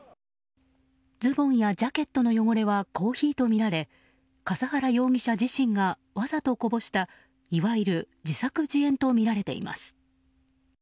ズボンやジャケットの汚れはコーヒーとみられ笠原容疑者自身がわざとこぼしたいわゆる自作自演とみられています。